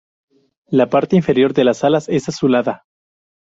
La parte inferior de las alas es azulada.